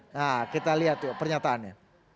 nah kita lihat yuk pernyataannya